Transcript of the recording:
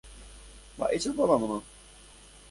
Mba'éichapa mamá